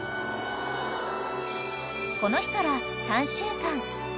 ［この日から３週間］